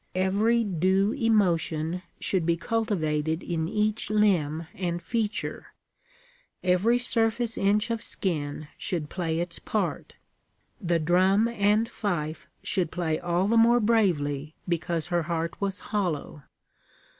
Every due emotion should be cultivated in each limb and feature; every surface inch of skin should play its part. The drum and fife should play all the more bravely because her heart was hollow.